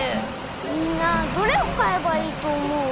みんなどれをかえばいいとおもう？